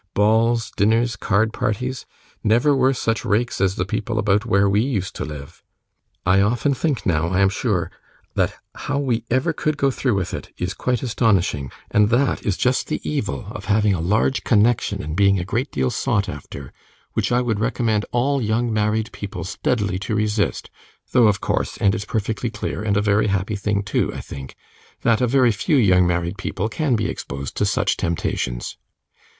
Balls, dinners, card parties! Never were such rakes as the people about where we used to live. I often think now, I am sure, that how we ever could go through with it is quite astonishing, and that is just the evil of having a large connection and being a great deal sought after, which I would recommend all young married people steadily to resist; though of course, and it's perfectly clear, and a very happy thing too, I think, that very few young married people can be exposed to such temptations.